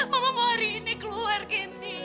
mama mau hari ini keluar gini